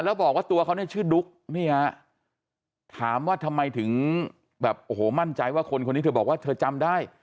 แล้วบอกว่าตัวเขานี้ชื่อดุ๊กถามว่าทำไมถึงให้มั่นใจว่าคนซ์ที่เธอบอกว่าที่จำได้